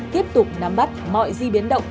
tiếp tục nắm bắt mọi di biến động